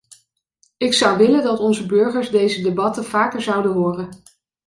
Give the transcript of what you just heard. Ik zou willen dat onze burgers deze debatten vaker zouden horen.